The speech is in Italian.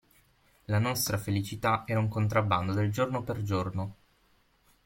La nostra felicità era un contrabbando del giorno per giorno.